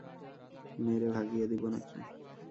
মেরে ভাগিয়ে দিবো নাকি?